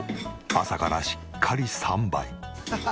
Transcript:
朝からしっかり３杯。